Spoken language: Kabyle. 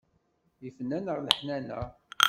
Ifen-aneɣ leḥnana.